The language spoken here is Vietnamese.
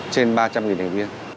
trên ba trăm linh thành viên